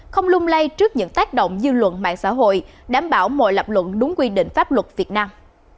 không lung lay trước những tác động dư luận mạng xã hội đảm bảo mọi lập luận đúng quy định pháp luật việt nam